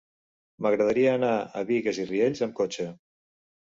M'agradaria anar a Bigues i Riells amb cotxe.